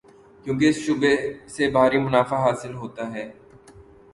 کیونکہ اس شعبے سے بھاری منافع حاصل ہوتا ہے۔